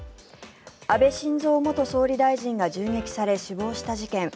安倍晋三元総理大臣が銃撃され死亡した事件。